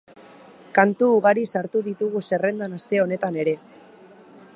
Kantu ugari sartu ditugu zerrendan aste honetan ere.